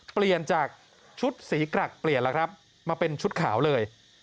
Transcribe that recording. เปลี่ยนจากชุดสีกรักเปลี่ยนแล้วครับมาเป็นชุดขาวเลย